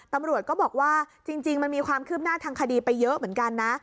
ตำรวจก็บอกว่าจริงมันมีความคืบหน้าทางคดีไปเยอะเหมือนกันนะ